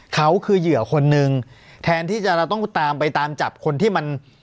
เขาคือเหยื่อคนนึงแทนที่เราต้องตามไปตามจับคนที่มัน